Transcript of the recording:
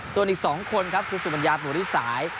ส่วนอีก๒คนครับคุณสุบัญญาปุริสาย